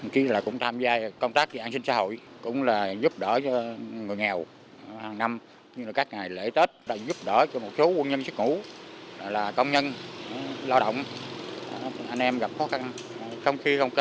khi là cũng tham gia công tác dự án sinh xã hội cũng là giúp đỡ cho người nghèo hàng năm các ngày lễ tết giúp đỡ cho một số quân nhân chức ngủ là công nhân lao động anh em gặp khó khăn